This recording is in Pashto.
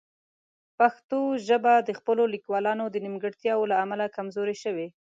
پښتو ژبه د خپلو لیکوالانو د نیمګړتیاوو له امله کمزورې شوې.